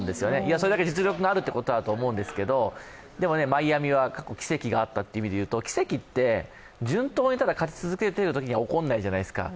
それだけ実力があるということだと思いますけどでもマイアミは奇跡があったという意味でいうと、奇跡って順当に勝ち進んだときには起こらないじゃないですか。